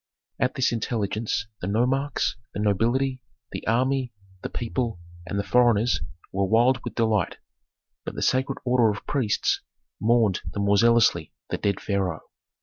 At this intelligence the nomarchs, the nobility, the army, the people, and the foreigners were wild with delight, but the sacred order of priests mourned the more zealously the dead pharaoh.